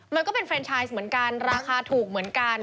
มันก็เป็นเรนชายเหมือนกันราคาถูกเหมือนกัน